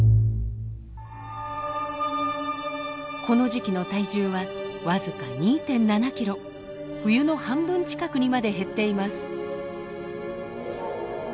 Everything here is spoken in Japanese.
この時期の体重は僅か２．７キロ冬の半分近くにまで減っています。